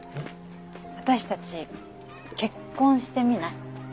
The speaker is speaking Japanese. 私たち結婚してみない？